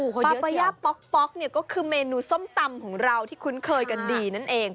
ปาปาย่าป๊อกเนี่ยก็คือเมนูส้มตำของเราที่คุ้นเคยกันดีนั่นเอง